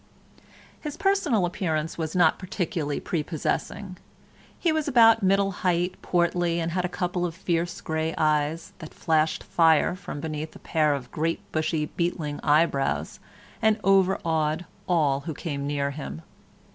His personal appearance was not particularly prepossessing. He was about the middle height, portly, and had a couple of fierce grey eyes, that flashed fire from beneath a pair of great bushy beetling eyebrows and overawed all who came near him.